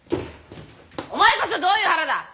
お前こそどういう腹だ！？